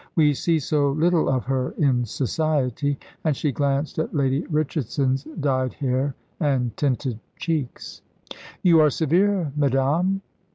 We see so little of her in society," and she glanced at Lady Richardson's dyed hair and tinted cheeks. "You are severe, madame."